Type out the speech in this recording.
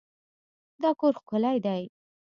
دا کور ښکلی دی.